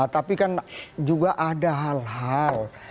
tapi kan juga ada hal hal